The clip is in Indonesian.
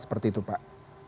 seperti itu pak